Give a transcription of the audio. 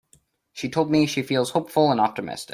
She told me she feels hopeful and optimistic.